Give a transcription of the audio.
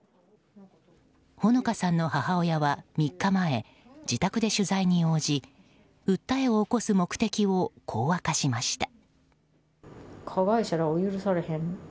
穂野香さんの母親は３日前自宅で取材に応じ訴えを起こす目的をこう明かしました。